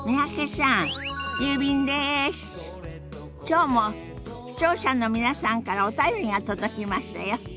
きょうも視聴者の皆さんからお便りが届きましたよ。